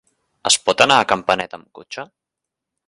Es pot anar a Campanet amb cotxe?